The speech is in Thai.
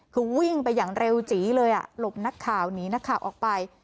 คือวิ่งไปอย่างเร็วจีเลยหลบนักข่าวหนีนักข่าวออกไป